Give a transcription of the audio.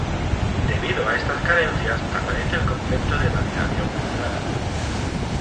Debido a estas carencias aparece el concepto de validación cruzada.